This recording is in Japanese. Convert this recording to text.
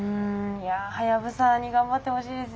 いやはやぶさに頑張ってほしいですね。